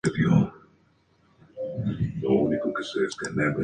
Se trata de un juego para cinco jugadores, uno contra cuatro.